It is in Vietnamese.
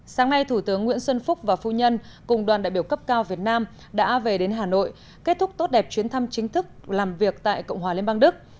sáng nay thủ tướng nguyễn xuân phúc và phu nhân cùng đoàn đại biểu cấp cao việt nam đã về đến hà nội kết thúc tốt đẹp chuyến thăm chính thức làm việc tại cộng hòa liên bang đức